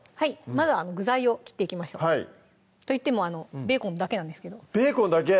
まずは具材を切っていきましょうといってもベーコンだけなんですけどベーコンだけ？